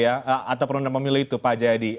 atau penundaan pemilu itu pak jaya d